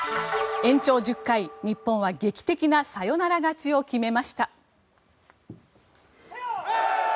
延長１０回、日本は劇的なサヨナラ勝ちを決めました。